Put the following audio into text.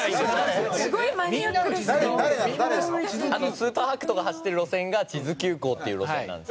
スーパーはくとが走ってる路線が智頭急行っていう路線なんですよ。